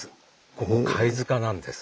ここ貝塚なんです。